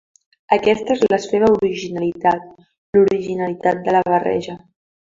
Aquesta és la seva originalitat, l’originalitat de la barreja.